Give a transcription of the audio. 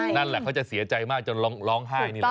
นั่นแหละเขาจะเสียใจมากจนร้องไห้นี่แหละ